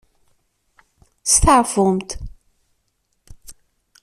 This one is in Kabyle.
Steɛfumt.